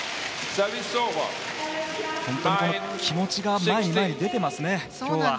本当に気持ちが前に出ていますね。